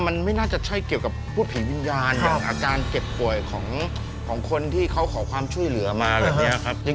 มันไม่น่าจะใช่เกี่ยวกับพูดผีวิญญาณอย่างอาการเจ็บป่วยของคนที่เขาขอความช่วยเหลือมาแบบนี้ครับ